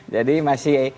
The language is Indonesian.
jadi masih persis